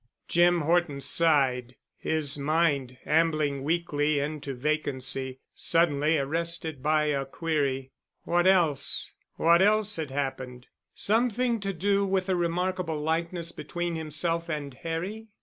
Jim Horton sighed, his mind, ambling weakly into vacancy, suddenly arrested by a query. What else?—What else had happened? Something to do with the remarkable likeness between himself and Harry?